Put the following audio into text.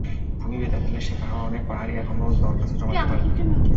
ভূমি বেদখলের শিকার হওয়া অনেক পাহাড়ি এখনো দরখাস্ত জমা দিতে পারেননি।